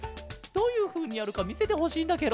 どういうふうにやるかみせてほしいんだケロ。